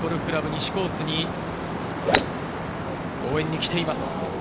西コースに応援に来ています。